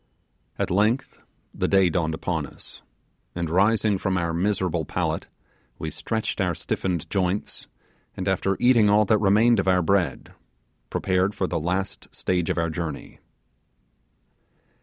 At length the day dawned upon us, and rising from our miserable pallet, we stretched our stiffened joints, and after eating all that remained of our bread, prepared for the last stage of our journey.